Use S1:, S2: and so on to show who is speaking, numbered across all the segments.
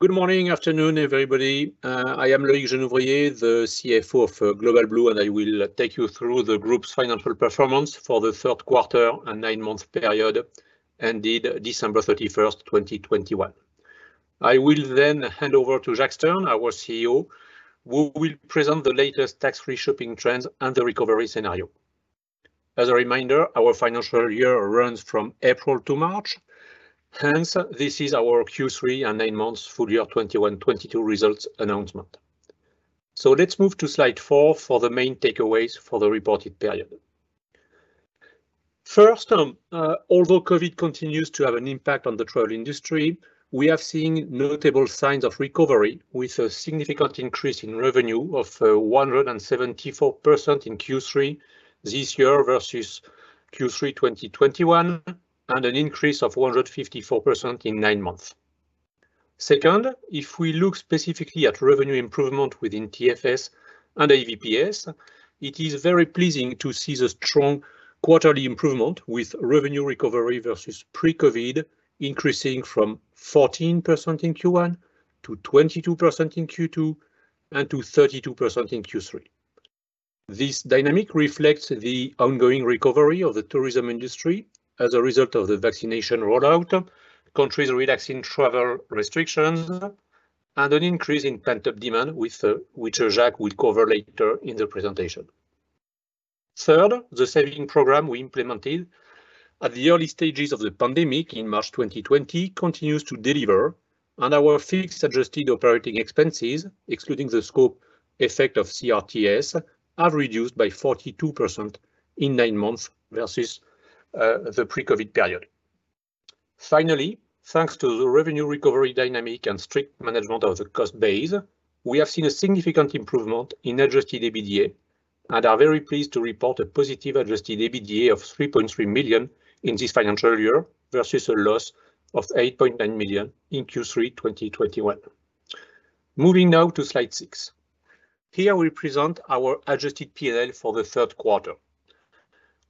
S1: Good morning, afternoon, everybody. I am Loic Jenouvrier, the CFO for Global Blue, and I will take you through the group's financial performance for the third quarter and nine-month period ended December 31st, 2021. I will then hand over to Jacques Stern, our CEO, who will present the latest tax-free shopping trends and the recovery scenario. As a reminder, our financial year runs from April to March, hence, this is our Q3 and nine months full year 2021, 2022 results announcement. Let's move to slide four for the main takeaways for the reported period. First, although COVID continues to have an impact on the travel industry, we have seen notable signs of recovery with a significant increase in revenue of 174% in Q3 this year versus Q3 2021, and an increase of 154% in nine months. Second, if we look specifically at revenue improvement within TFS and AVPS, it is very pleasing to see the strong quarterly improvement with revenue recovery versus pre-COVID, increasing from 14% in Q1, to 22% in Q2, and to 32% in Q3. This dynamic reflects the ongoing recovery of the tourism industry as a result of the vaccination rollout, countries relaxing travel restrictions, and an increase in pent-up demand, with which Jacques will cover later in the presentation. Third, the savings program we implemented in the early stages of the pandemic in March 2020 continues to deliver, and our fixed adjusted operating expenses, excluding the scope effect of CRTS, have reduced by 42% in nine months versus the pre-COVID period. Finally, thanks to the revenue recovery dynamic and strict management of the cost base, we have seen a significant improvement in adjusted EBITDA and are very pleased to report a positive adjusted EBITDA of 3.3 million in this financial year versus a loss of 8.9 million in Q3 2021. Moving now to slide six. Here we present our adjusted P&L for the third quarter.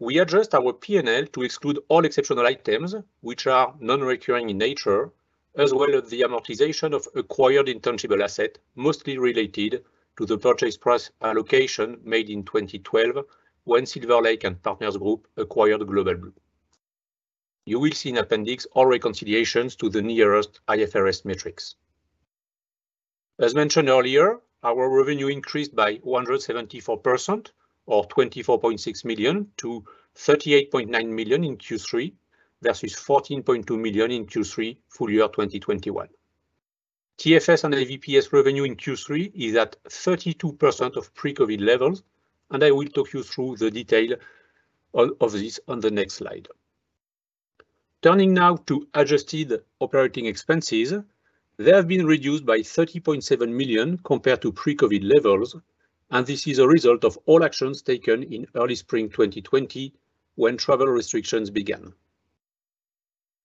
S1: We adjust our P&L to exclude all exceptional items which are non-recurring in nature, as well as the amortization of acquired intangible asset, mostly related to the purchase price allocation made in 2012 when Silver Lake and Partners Group acquired Global Blue. You will see in appendix all reconciliations to the nearest IFRS metrics. As mentioned earlier, our revenue increased by 174% or 24.6 million to 38.9 million in Q3 versus 14.2 million in Q3 full year 2021. TFS and AVPS revenue in Q3 is at 32% of pre-COVID levels, and I will talk you through the details of all of this on the next slide. Turning now to adjusted operating expenses. They have been reduced by 30.7 million compared to pre-COVID levels, and this is a result of all actions taken in early spring 2020 when travel restrictions began.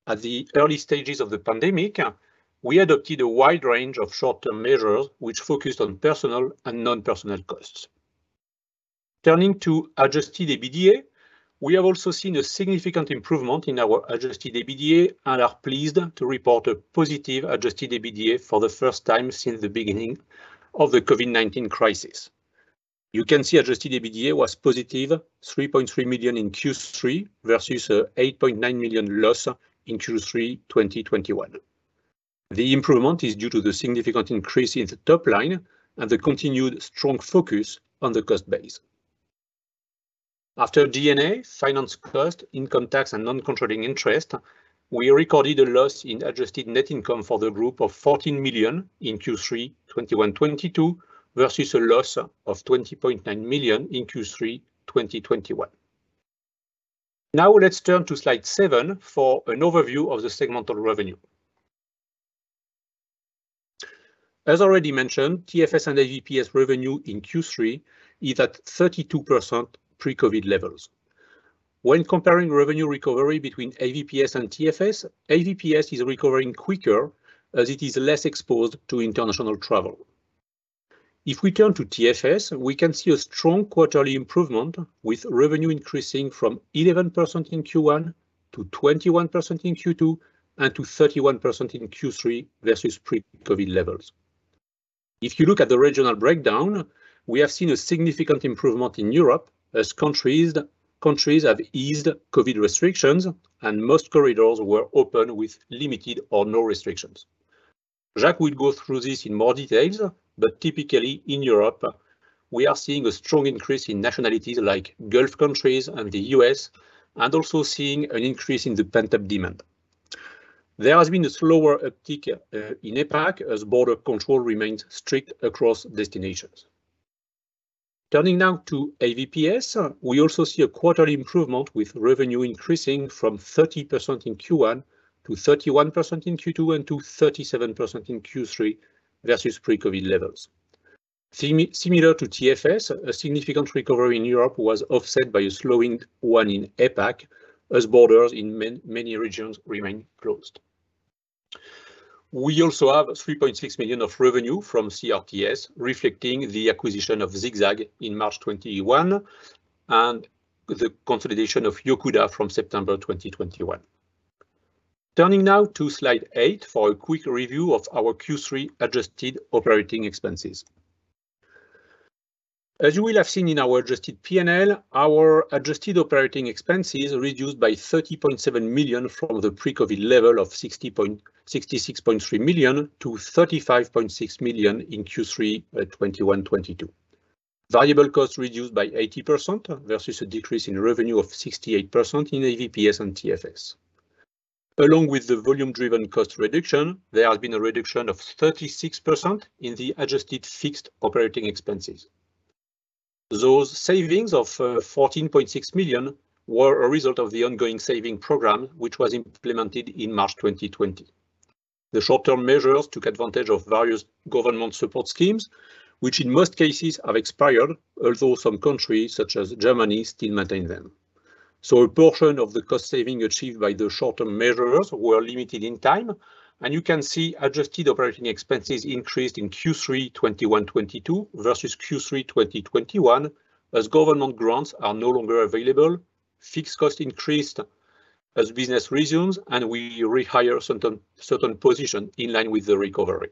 S1: At the early stages of the pandemic, we adopted a wide range of short-term measures which focused on personal and non-personal costs. Turning to adjusted EBITDA. We have also seen a significant improvement in our adjusted EBITDA and are pleased to report a positive adjusted EBITDA for the first time since the beginning of the COVID-19 crisis. You can see adjusted EBITDA was positive 3.3 million in Q3 versus a 8.9 million loss in Q3 2021. The improvement is due to the significant increase in the top line and the continued strong focus on the cost base. After G&A, finance cost, income tax and non-controlling interest, we recorded a loss in adjusted net income for the group of 14 million in Q3 2022 versus a loss of 20.9 million in Q3 2021. Now let's turn to slide seven for an overview of the segmental revenue. As already mentioned, TFS and AVPS revenue in Q3 is at 32% pre-COVID levels. When comparing revenue recovery between AVPS and TFS, AVPS is recovering quicker as it is less exposed to international travel. If we turn to TFS, we can see a strong quarterly improvement with revenue increasing from 11% in Q1, to 21% in Q2, and to 31% in Q3 versus pre-COVID levels. If you look at the regional breakdown, we have seen a significant improvement in Europe as countries have eased COVID restrictions and most corridors were open with limited or no restrictions. Jacques will go through this in more details, but typically in Europe we are seeing a strong increase in nationalities like Gulf countries and the U.S., and also seeing an increase in the pent-up demand. There has been a slower uptick in APAC, as border control remains strict across destinations. Turning now to AVPS. We also see a quarterly improvement with revenue increasing from 30% in Q1 to 31% in Q2, and to 37% in Q3 versus pre-COVID levels. Similar to TFS, a significant recovery in Europe was offset by a slowing one in APAC as borders in many regions remain closed. We also have 3.6 million of revenue from CRTS, reflecting the acquisition of ZigZag in March 2021 and with the consolidation of Yocuda from September 2021. Turning now to slide eight for a quick review of our Q3 adjusted operating expenses. As you will have seen in our adjusted P&L, our adjusted operating expenses reduced by 30.7 million from the pre-COVID level of 66.3 million to 35.6 million in Q3 2021-2022. Variable costs reduced by 80% versus a decrease in revenue of 68% in AVPS and TFS. Along with the volume-driven cost reduction, there has been a reduction of 36% in the adjusted fixed operating expenses. Those savings of 14.6 million were a result of the ongoing savings program, which was implemented in March 2020. The short-term measures took advantage of various government support schemes, which in most cases have expired, although some countries, such as Germany, still maintain them. A portion of the cost saving achieved by the short-term measures were limited in time, and you can see adjusted operating expenses increased in Q3 2021-2022 versus Q3 2021. As government grants are no longer available, fixed cost increased as business resumes, and we rehire certain position in line with the recovery.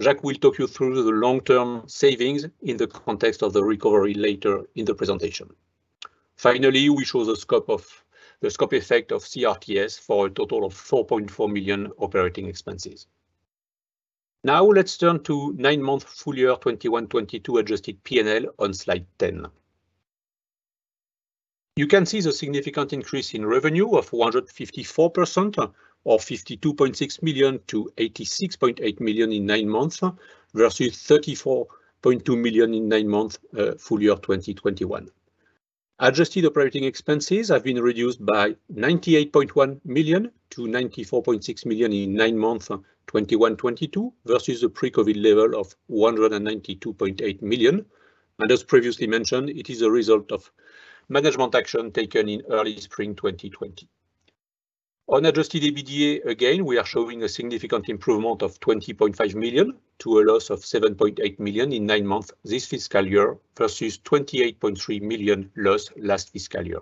S1: Jacques will talk you through the long-term savings in the context of the recovery later in the presentation. Finally, we show the scope effect of CRTS for a total of 4.4 million operating expenses. Now, let's turn to nine-month full year 2021-2022 adjusted P&L on slide 10. You can see the significant increase in revenue of 154% or 52.6 million to 86.8 million in nine months, versus 34.2 million in nine months, full year 2021. Adjusted operating expenses have been reduced by 98.1 million to 94.6 million in nine months 2021-2022, versus the pre-COVID level of 192.8 million, and as previously mentioned, it is a result of management action taken in early spring 2020. On adjusted EBITDA, again, we are showing a significant improvement of 20.5 million to a loss of 7.8 million in nine months this fiscal year versus 28.3 million loss last fiscal year.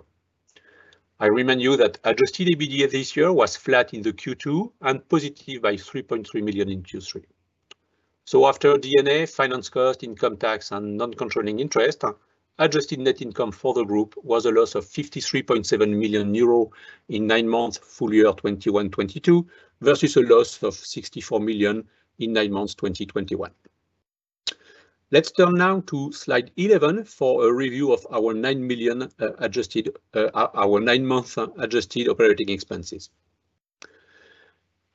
S1: I remind you that adjusted EBITDA this year was flat in the Q2 and positive by 3.3 million in Q3. After D&A, finance cost, income tax, and non-controlling interest, adjusted net income for the group was a loss of 53.7 million euro in nine months FY 2021-2022 versus a loss of 64 million in nine months 2021. Let's turn now to slide 11 for a review of our nine-month adjusted operating expenses.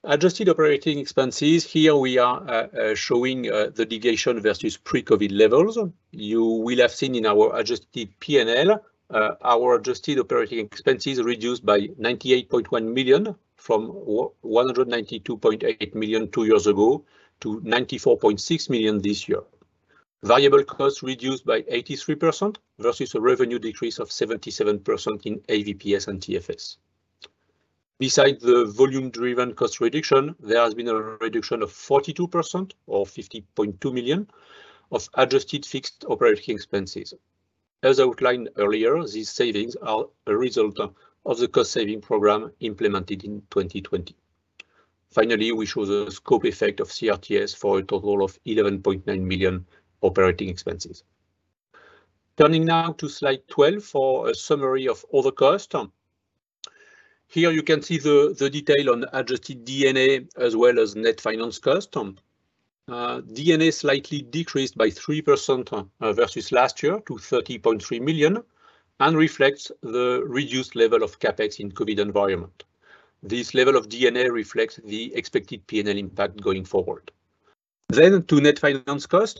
S1: Adjusted operating expenses. Here we are showing the deviation versus pre-COVID levels. You will have seen in our adjusted P&L our adjusted operating expenses reduced by 98.1 million from 192.8 million two years ago to 94.6 million this year. Variable costs reduced by 83% versus a revenue decrease of 77% in AVPS and TFS. Beside the volume-driven cost reduction, there has been a reduction of 42% or 50.2 million of adjusted fixed operating expenses. As outlined earlier, these savings are a result of the cost-saving program implemented in 2020. Finally, we show the scope effect of CRTS for a total of 11.9 million operating expenses. Turning now to slide 12 for a summary of other cost. Here you can see the detail on adjusted D&A as well as net finance cost. D&A slightly decreased by 3%, versus last year to 30.3 million, and reflects the reduced level of CapEx in COVID environment. This level of D&A reflects the expected P&L impact going forward. To net finance cost.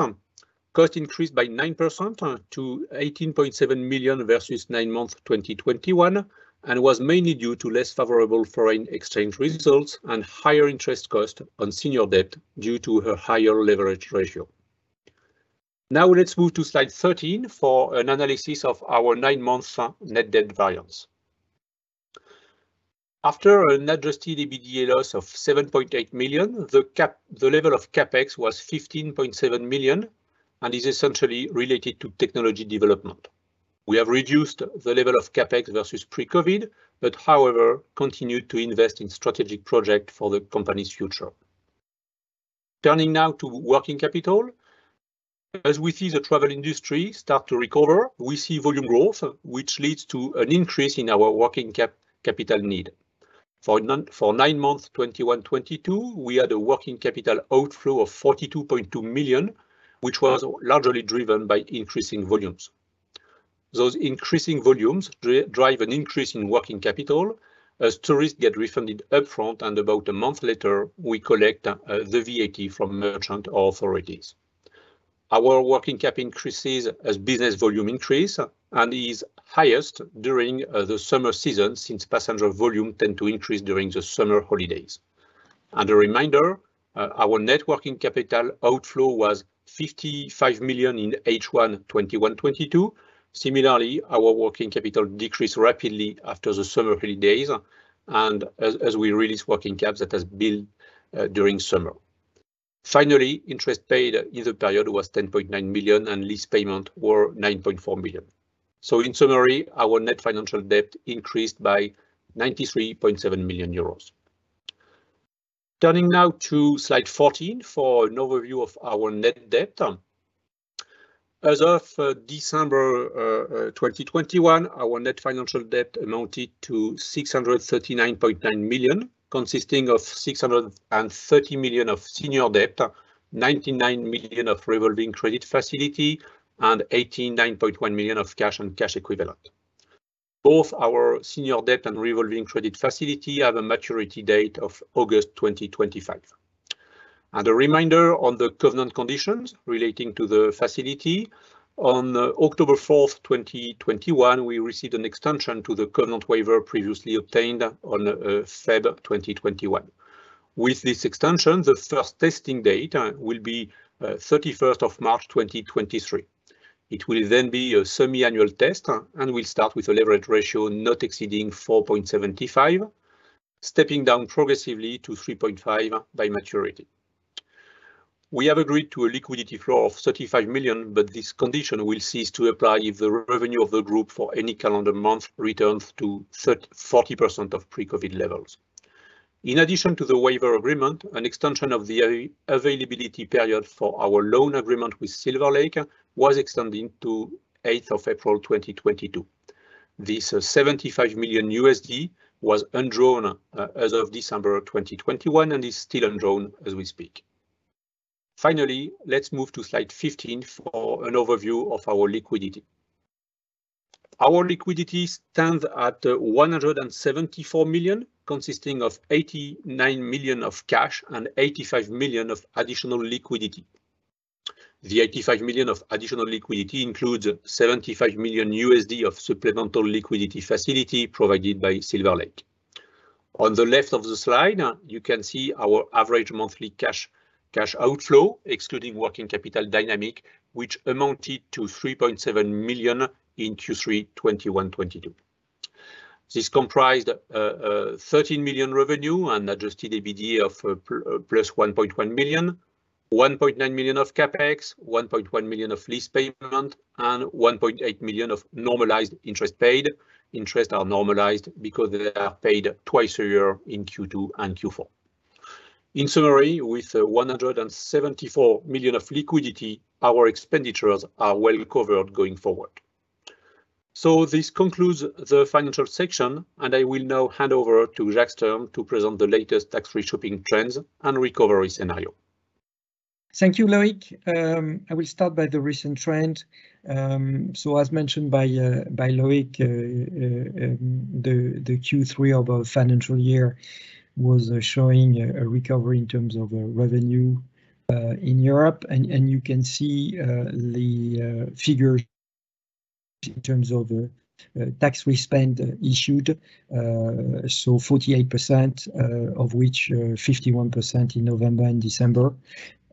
S1: Cost increased by 9% to 18.7 million versus nine months 2021, and was mainly due to less favorable foreign exchange results and higher interest cost on senior debt due to a higher leverage ratio. Now, let's move to slide 13 for an analysis of our 9-month net debt variance. After an adjusted EBITDA loss of 7.8 million, the level of CapEx was 15.7 million and is essentially related to technology development. We have reduced the level of CapEx versus pre-COVID, but however, continued to invest in strategic project for the company's future. Turning now to working capital. As we see the travel industry start to recover, we see volume growth, which leads to an increase in our working capital need. For nine months 2021-2022, we had a working capital outflow of 42.2 million, which was largely driven by increasing volumes. Those increasing volumes drive an increase in working capital as tourists get refunded upfront and about a month later, we collect the VAT from tax authorities. Our working cap increases as business volume increase, and is highest during the summer season since passenger volume tend to increase during the summer holidays. A reminder, our net working capital outflow was 55 million in H1 2021-2022. Similarly, our working capital decreased rapidly after the summer holidays and as we release working caps that has built during summer. Finally, interest paid in the period was 10.9 million, and lease payment were 9.4 million. In summary, our net financial debt increased by 93.7 million euros. Turning now to slide 14 for an overview of our net debt. As of December 2021, our net financial debt amounted to 639.9 million, consisting of 630 million of senior debt, 99 million of revolving credit facility, and 89.1 million of cash and cash equivalents. Both our senior debt and revolving credit facility have a maturity date of August 2025. A reminder on the covenant conditions relating to the facility. On October 4th, 2021, we received an extension to the covenant waiver previously obtained on February 2021. With this extension, the first testing date will be March 31st, 2023. It will then be a semi-annual test and will start with a leverage ratio not exceeding 4.75, stepping down progressively to 3.5 by maturity. We have agreed to a liquidity floor of 35 million, but this condition will cease to apply if the revenue of the group for any calendar month returns to 40% of pre-COVID levels. In addition to the waiver agreement, an extension of the availability period for our loan agreement with Silver Lake was extended to 8th of April 2022. This $75 million was undrawn as of December 2021 and is still undrawn as we speak. Finally, let's move to slide 15 for an overview of our liquidity. Our liquidity stands at 174 million, consisting of 89 million of cash and 85 million of additional liquidity. The 85 million of additional liquidity includes $75 million of Supplemental Liquidity Facility provided by Silver Lake. On the left of the slide, you can see our average monthly cash outflow, excluding working capital dynamic, which amounted to 3.7 million in Q3 2022. This comprised thirteen million revenue and adjusted EBITDA of plus 1.1 million, 1.9 million of CapEx, 1.1 million of lease payment, and 1.8 million of normalized interest paid. Interest are normalized because they are paid twice a year in Q2 and Q4. In summary, with 174 million of liquidity, our expenditures are well covered going forward. This concludes the financial section, and I will now hand over to Jacques Stern to present the latest tax-free shopping trends and recovery scenario.
S2: Thank you, Loic. I will start by the recent trend. So as mentioned by Loic, the Q3 of our financial year was showing a recovery in terms of revenue in Europe. You can see the figure in terms of tax-free spend issued. So 48%, of which 51% in November and December.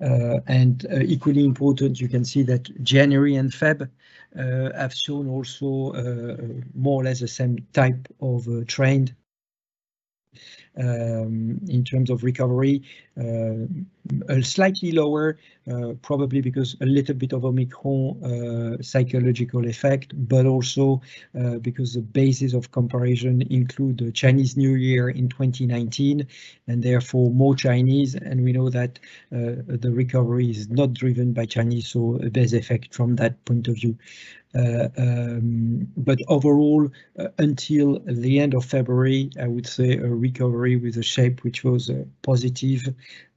S2: Equally important, you can see that January and February have shown also more or less the same type of trend in terms of recovery. Slightly lower, probably because a little bit of Omicron psychological effect, but also because the basis of comparison include the Chinese New Year in 2019 and therefore more Chinese. We know that the recovery is not driven by Chinese, so a base effect from that point of view. Overall, until the end of February, I would say a recovery with a shape which was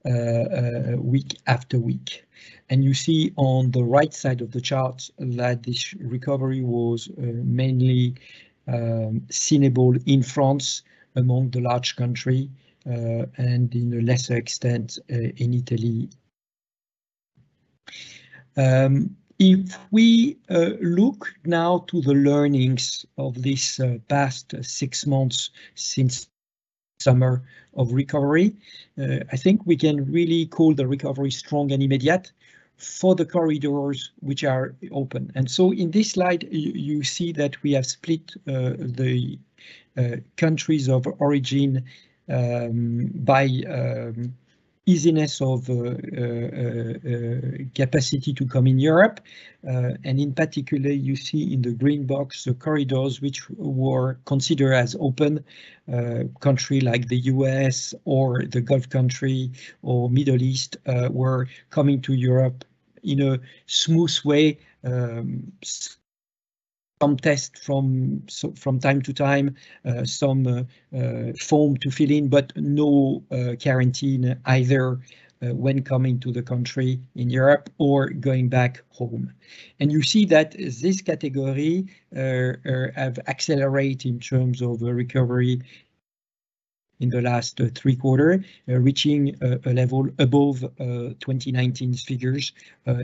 S2: positive week after week. You see on the right side of the chart that this recovery was mainly seen in France among the large countries, and in a lesser extent in Italy. If we look now to the learnings of this past six months since summer of recovery, I think we can really call the recovery strong and immediate for the corridors which are open. In this slide, you see that we have split the countries of origin by easiness of capacity to come in Europe. In particular, you see in the green box the corridors which were considered as open, countries like the U.S. or the Gulf countries or Middle East, were coming to Europe in a smooth way. Some tests from time to time, some forms to fill in, but no quarantine either, when coming to the countries in Europe or going back home. You see that this category has accelerated in terms of recovery in the last three quarters, reaching a level above 2019's figures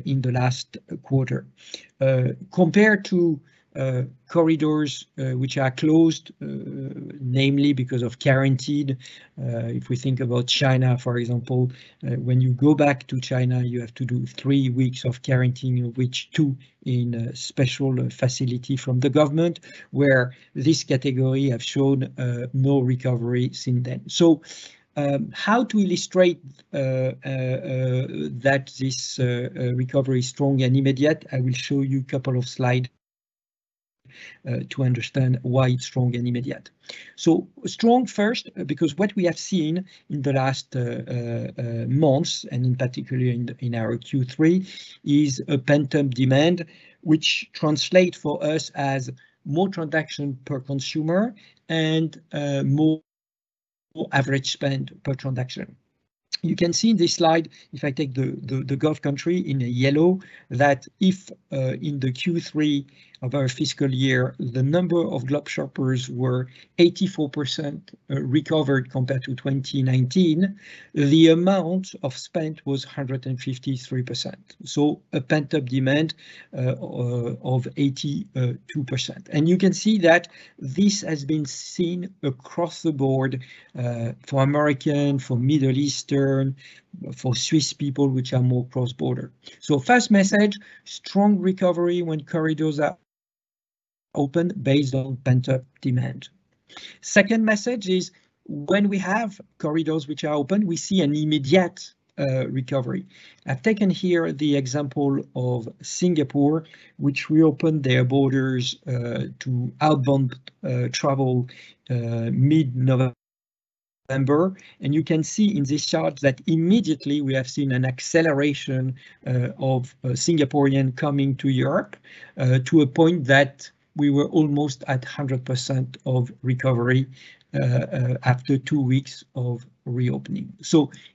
S2: in the last quarter. Compared to corridors which are closed, namely because of quarantine. If we think about China, for example, when you go back to China, you have to do three weeks of quarantine, which two in a special facility from the government, where this category have shown no recovery since then. How to illustrate that this recovery is strong and immediate? I will show you a couple of slides to understand why it's strong and immediate. Strong first, because what we have seen in the last months, and in particular in our Q3, is a pent-up demand which translate for us as more transaction per consumer and more average spend per transaction. You can see in this slide, if I take the Gulf country in yellow, that in the Q3 of our fiscal year, the number of globe shoppers were 84% recovered compared to 2019, the amount of spend was 153%. Pent-up demand of 82%. You can see that this has been seen across the board for American, for Middle Eastern, for Swiss people, which are more cross-border. First message, strong recovery when corridors are open based on pent-up demand. Second message is, when we have corridors which are open, we see an immediate recovery. I've taken here the example of Singapore, which reopened their borders to outbound travel mid-November. You can see in this chart that immediately we have seen an acceleration of Singaporean coming to Europe to a point that we were almost at 100% of recovery after two weeks of reopening.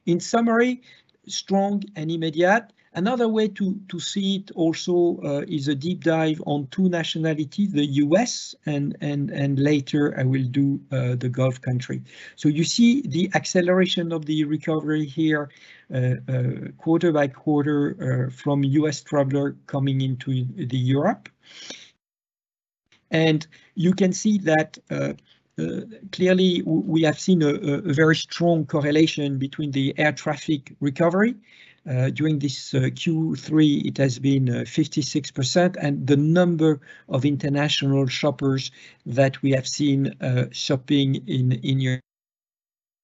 S2: In summary, strong and immediate. Another way to see it also is a deep dive on two nationalities, the U.S. and later I will do the Gulf country. You see the acceleration of the recovery here quarter by quarter from U.S. traveler coming into Europe. You can see that clearly we have seen a very strong correlation between the air traffic recovery during this Q3, it has been 56%, and the number of international shoppers that we have seen shopping in Europe,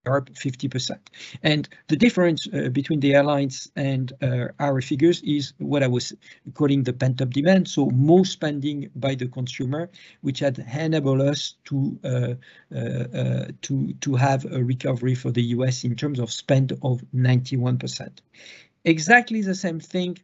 S2: 50%. The difference between the airlines and our figures is what I was calling the pent-up demand. More spending by the consumer, which had enabled us to have a recovery for the U.S. in terms of spend of 91%. Exactly the same thing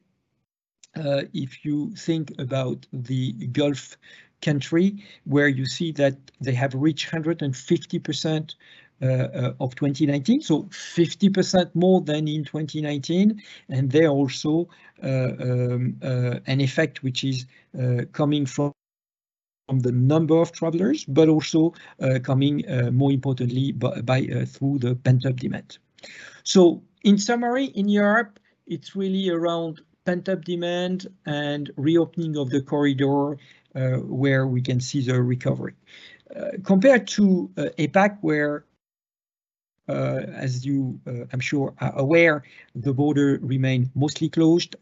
S2: if you think about the Gulf country, where you see that they have reached 150% of 2019. 50% more than in 2019, and there also an effect which is coming from the number of travelers, but also coming more importantly through the pent-up demand. In summary, in Europe, it's really around pent-up demand and reopening of the corridor where we can see the recovery. Compared to APAC where, as you, I'm sure are aware, the border remained mostly closed.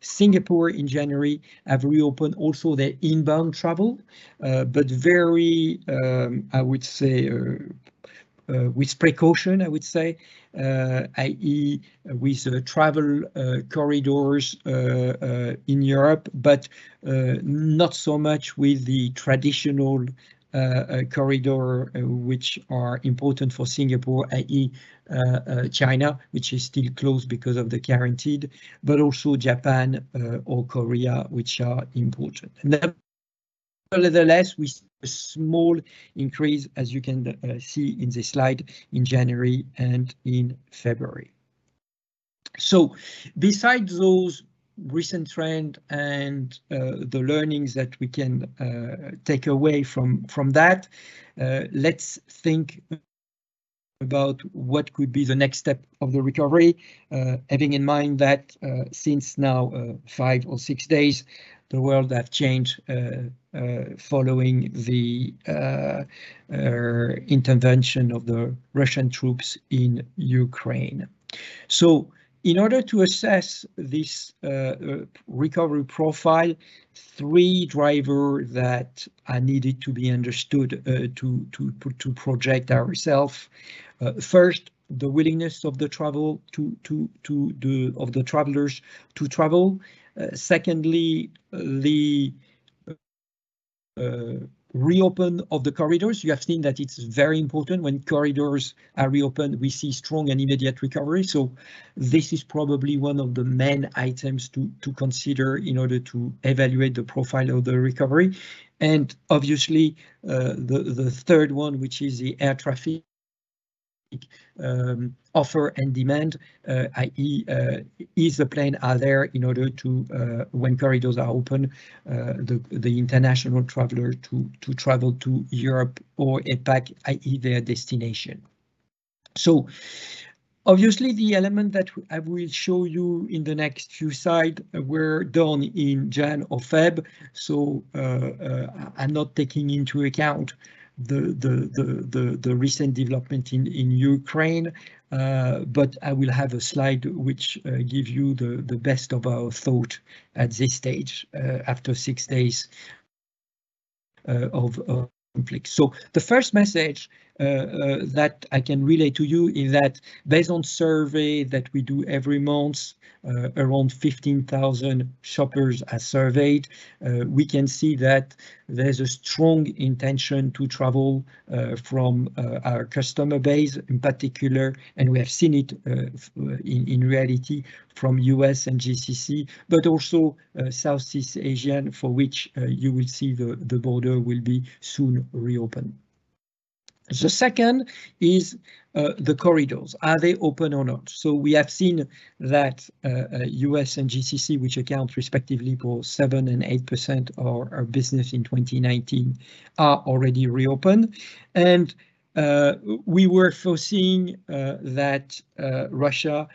S2: Singapore in January have reopened also their inbound travel. Very, I would say, with precaution, I would say. i.e., with travel corridors in Europe, but not so much with the traditional corridor which are important for Singapore, i.e., China, which is still closed because of the quarantine, but also Japan or Korea, which are important. Nevertheless, a small increase, as you can see in this slide, in January and in February. Besides those recent trends and the learnings that we can take away from that, let's think about what could be the next step of the recovery, having in mind that in the past five or six days, the world has changed following the intervention of the Russian troops in Ukraine. In order to assess this recovery profile, three drivers that are needed to be understood to project ourselves. First, the willingness of the travelers to travel. Secondly, the reopening of the corridors. You have seen that it's very important when corridors are reopened, we see strong and immediate recovery. This is probably one of the main items to consider in order to evaluate the profile of the recovery. Obviously, the third one, which is the air traffic supply and demand, i.e., are the planes there in order to, when corridors are open, the international traveler to travel to Europe or APAC, i.e., their destination. Obviously the element that I will show you in the next few slides were done in January or February. I'm not taking into account the recent development in Ukraine. But I will have a slide which give you the best of our thought at this stage, after 6 days of conflict. The first message that I can relay to you is that based on survey that we do every month, around 15,000 shoppers are surveyed. We can see that there's a strong intention to travel from our customer base in particular, and we have seen it in reality from U.S. and GCC, but also Southeast Asian, for which you will see the border will soon be reopened. The second is the corridors. Are they open or not? We have seen that U.S. and GCC, which account respectively for 7% and 8% of our business in 2019, are already reopened. We were foreseeing that Russia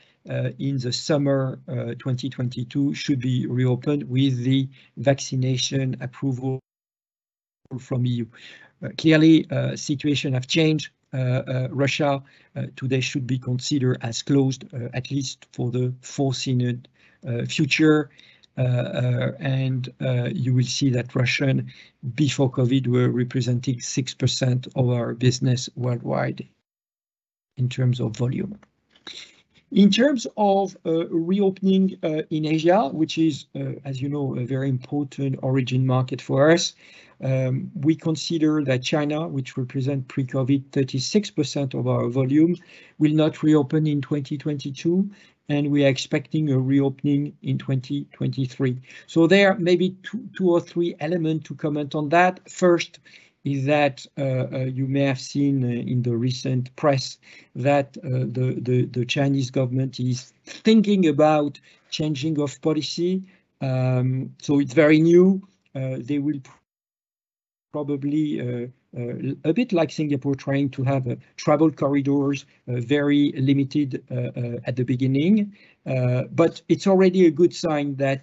S2: in the summer 2022 should be reopened with the vaccination approval from E.U. Clearly, the situation has changed. Russia today should be considered as closed, at least for the foreseeable future. You will see that Russian before COVID were representing 6% of our business worldwide in terms of volume. In terms of reopening in Asia, which is, as you know, a very important origin market for us, we consider that China, which represent pre-COVID 36% of our volume, will not reopen in 2022, and we are expecting a reopening in 2023. There may be two or three element to comment on that. First is that you may have seen in the recent press that the Chinese government is thinking about changing of policy. It's very new. They will probably a bit like Singapore trying to have travel corridors very limited at the beginning. It's already a good sign that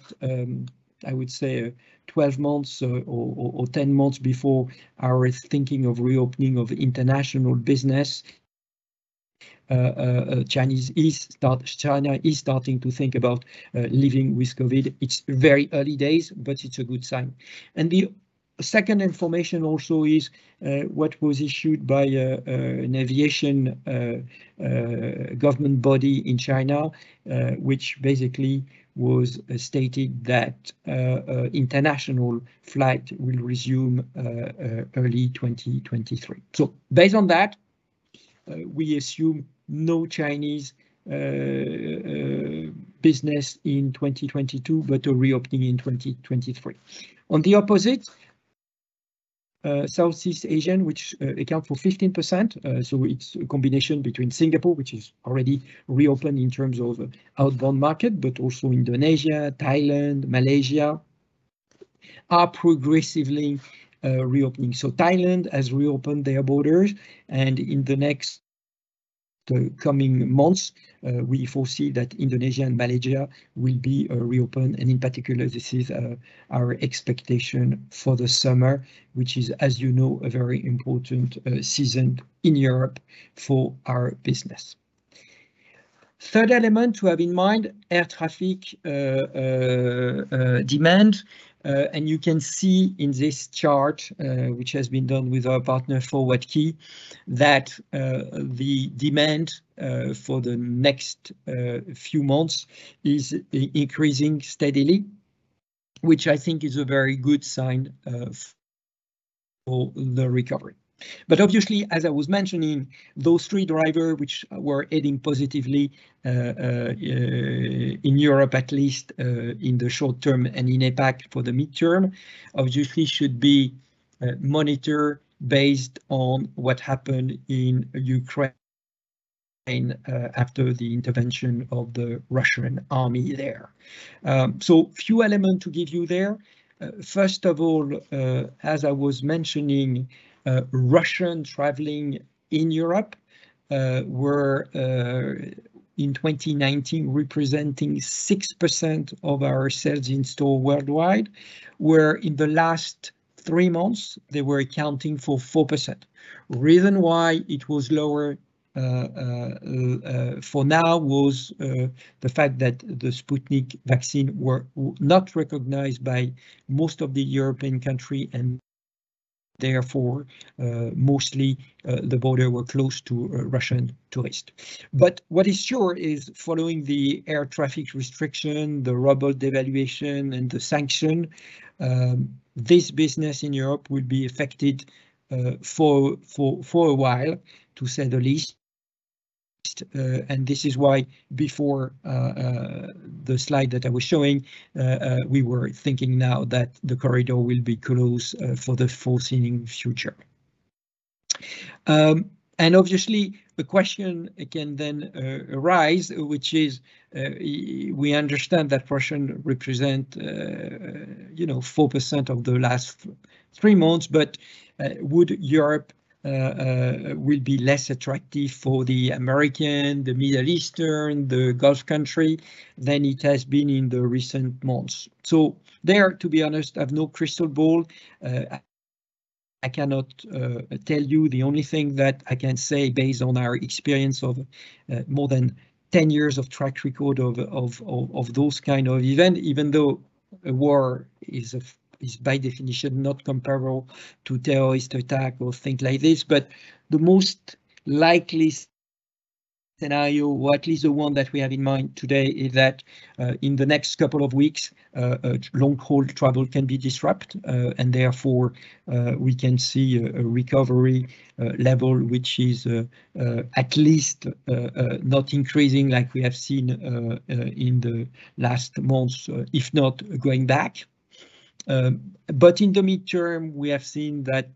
S2: I would say 12 months or 10 months before our thinking of reopening of international business, China is starting to think about living with COVID. It's very early days, but it's a good sign. The second information also is what was issued by an aviation government body in China, which basically was stating that international flight will resume early 2023. Based on that, we assume no Chinese business in 2022, but a reopening in 2023. On the opposite, Southeast Asian, which account for 15%, so it's a combination between Singapore, which is already reopened in terms of outbound market, but also Indonesia, Thailand, Malaysia, are progressively reopening. Thailand has reopened their borders, and in the next coming months, we foresee that Indonesia and Malaysia will reopen, and in particular, this is our expectation for the summer, which is, as you know, a very important season in Europe for our business. Third element to have in mind, air traffic demand. You can see in this chart, which has been done with our partner ForwardKeys, that the demand for the next few months is increasing steadily, which I think is a very good sign of all the recovery. Obviously, as I was mentioning, those three driver which were adding positively in Europe at least in the short term and in APAC for the midterm, obviously should be monitored based on what happened in Ukraine after the intervention of the Russian army there. Few elements to give you there. First of all, as I was mentioning, Russian travelers in Europe were in 2019 representing 6% of our sales in store worldwide, whereas in the last three months they were accounting for 4%. Reason why it was lower for now was the fact that the Sputnik V vaccine were not recognized by most of the European countries and therefore mostly the borders were closed to Russian tourists. What is sure is following the air traffic restriction, the ruble devaluation, and the sanction, this business in Europe will be affected for a while, to say the least. This is why before the slide that I was showing, we were thinking now that the corridor will be closed for the foreseeable future. Obviously the question again then arises, which is, we understand that Russians represent, you know, 4% of the last three months, but will Europe be less attractive for the Americans, the Middle Eastern, the Gulf countries than it has been in the recent months? There, to be honest, I have no crystal ball. I cannot tell you. The only thing that I can say based on our experience of more than 10 years of track record of those kind of event, even though a war is by definition not comparable to terrorist attack or things like this. The most likely scenario, or at least the one that we have in mind today, is that in the next couple of weeks long-haul travel can be disrupted. Therefore, we can see a recovery level which is at least not increasing like we have seen in the last months, if not going back. In the midterm we have seen that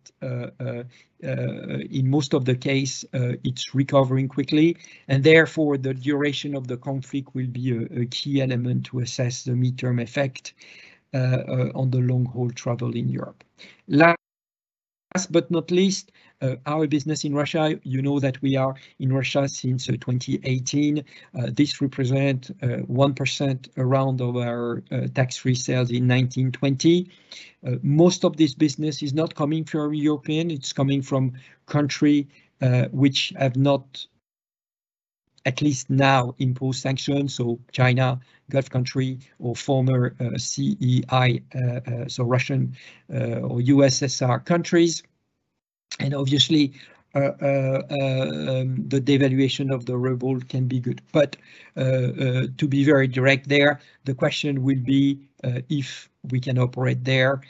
S2: in most of the case it's recovering quickly, and therefore, the duration of the conflict will be a key element to assess the midterm effect on the long haul travel in Europe. Last but not least, our business in Russia, you know that we are in Russia since 2018. This represent around 1% of our tax-free sales in 2019-2020. Most of this business is not coming from European, it's coming from country which have not at least now imposed sanctions, so China, Gulf country or former CIS, so Russian or USSR countries. Obviously, the devaluation of the ruble can be good. To be very direct there, the question will be if we can operate there,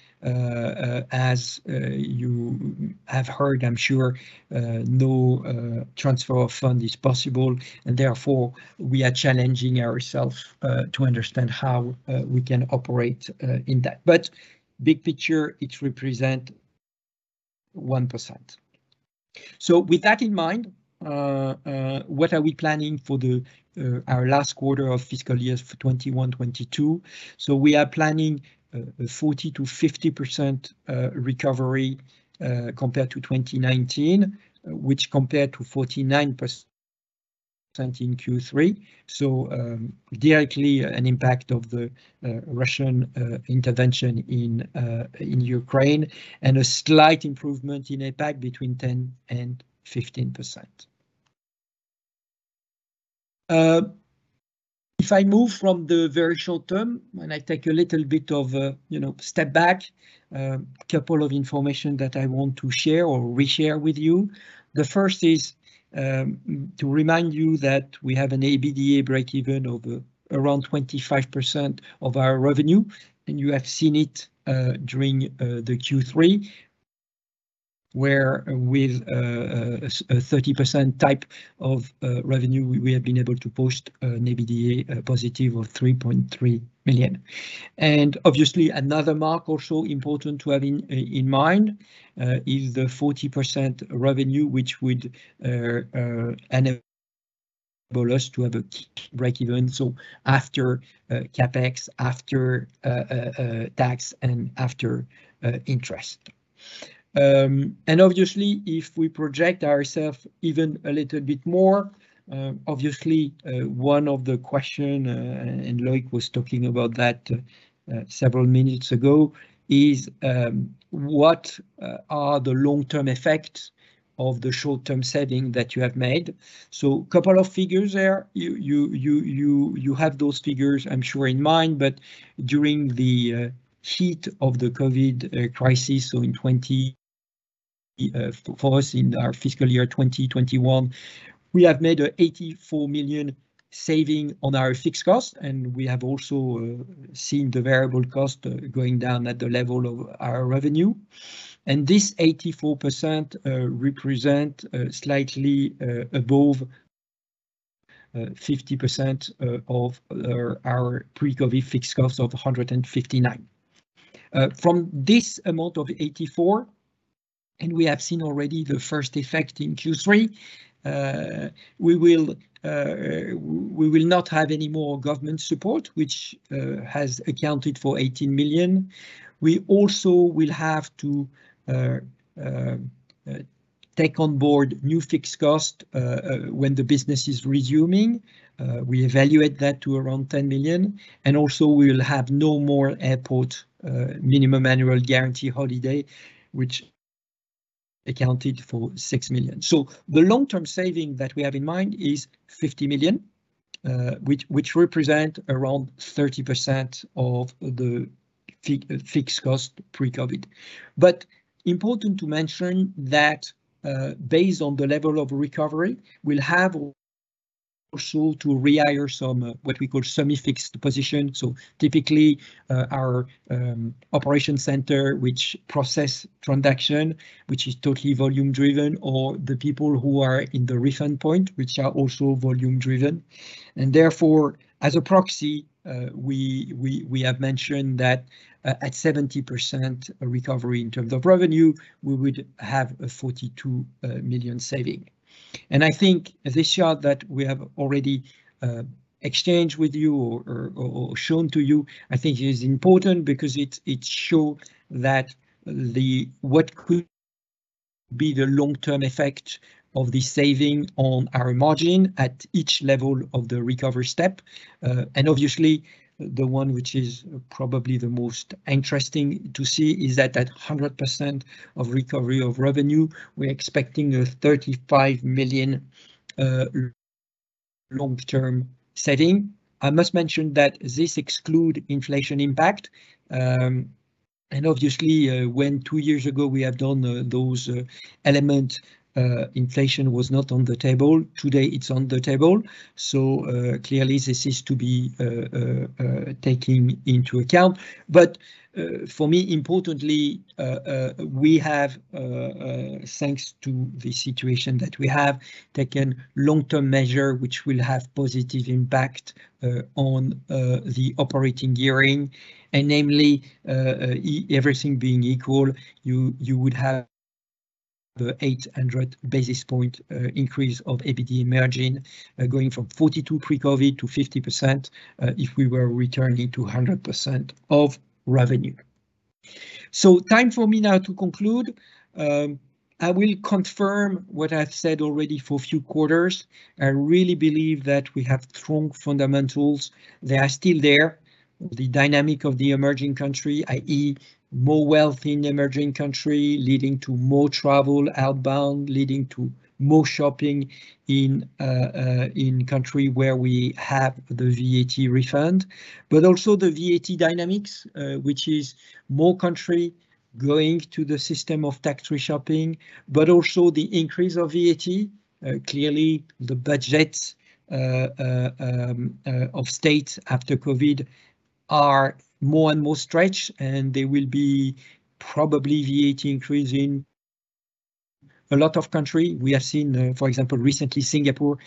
S2: as you have heard, I'm sure, no transfer of funds is possible, and therefore, we are challenging ourself to understand how we can operate in that. Big picture, it represent 1%. With that in mind, what are we planning for our last quarter of fiscal year 2021-2022? We are planning a 40%-50% recovery compared to 2019, which compared to 49% in Q3, directly an impact of the Russian intervention in Ukraine and a slight improvement in CIS between 10%-15%. If I move from the very short term and I take a little bit of a, you know, step back, couple of information that I want to share or re-share with you. The first is to remind you that we have an EBITDA breakeven of around 25% of our revenue, and you have seen it during the Q3 where with a 30% type of revenue we have been able to post an EBITDA positive of 3.3 million. Obviously another mark also important to have in mind is the 40% revenue which would enable us to have a cash breakeven, so after CapEx, after tax and after interest. Obviously if we project ourself even a little bit more, obviously, one of the question, and Loic was talking about that several minutes ago, is what are the long-term effects of the short-term setting that you have made? Couple of figures there. You have those figures I'm sure in mind, but during the heat of the COVID crisis, so in 2021, for us in our fiscal year 2021, we have made a 84 million saving on our fixed cost and we have also seen the variable cost going down at the level of our revenue. This 84% represents slightly above 50% of our pre-COVID fixed cost of 159 million. From this amount of 84 million, we have seen already the first effect in Q3. We will not have any more government support, which has accounted for 18 million. We also will have to take on board new fixed cost when the business is resuming. We evaluate that to around 10 million. Also we will have no more airport minimum annual guarantee holiday, which accounted for 6 million. The long-term saving that we have in mind is 50 million, which represent around 30% of the fixed cost pre-COVID. Important to mention that, based on the level of recovery, we'll have also to rehire some, what we call semi-fixed position. Typically, our operation center which process transaction, which is totally volume driven, or the people who are in the refund point, which are also volume driven. Therefore, as a proxy, we have mentioned that, at 70% recovery in terms of revenue, we would have a 42 million saving. I think this chart that we have already exchanged with you or shown to you, I think it is important because it show that the what could be the long term effect of the saving on our margin at each level of the recovery step. Obviously, the one which is probably the most interesting to see is that at 100% of recovery of revenue, we're expecting a 35 million long term saving. I must mention that this exclude inflation impact. Obviously, when two years ago we have done, inflation was not on the table. Today, it's on the table. Clearly this is to be taken into account. For me, importantly, we have, thanks to the situation that we have, taken long-term measure which will have positive impact on the operating gearing. Namely, everything being equal, you would have the 800 basis point increase of EBITDA margin going from 42% pre-COVID to 50% if we were returning to 100% of revenue. Time for me now to conclude. I will confirm what I've said already for a few quarters. I really believe that we have strong fundamentals. They are still there. The dynamic of the emerging countries, i.e., more wealth in emerging countries, leading to more travel outbound, leading to more shopping in country where we have the VAT refund. Also the VAT dynamics, which is more countries going to the system of tax-free shopping, but also the increase of VAT. Clearly, the budgets of states after COVID are more and more stretched, and there will probably be VAT increases in a lot of countries. We have seen, for example, recently Singapore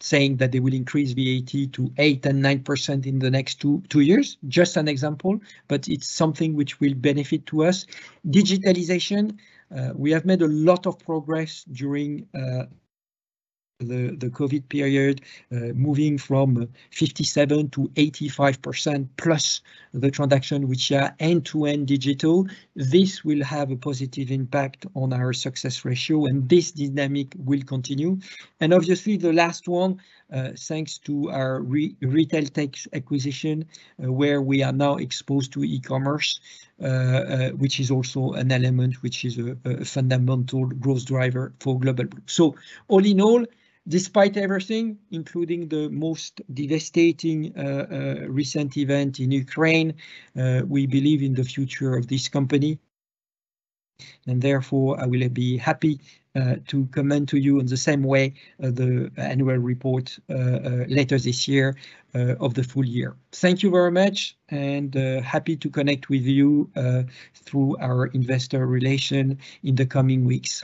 S2: saying that they will increase VAT to 8% and 9% in the next two years. Just an example, but it's something which will benefit to us. Digitalization. We have made a lot of progress during the COVID period, moving from 57% to 85% plus the transaction which are end-to-end digital. This will have a positive impact on our success ratio, and this dynamic will continue. Obviously, the last one, thanks to our RetailTech acquisition, where we are now exposed to e-commerce, which is also an element which is a fundamental growth driver for Global Blue. All in all, despite everything, including the most devastating recent event in Ukraine, we believe in the future of this company. Therefore, I will be happy to comment to you in the same way at the annual report later this year of the full year. Thank you very much and happy to connect with you through our investor relations in the coming weeks.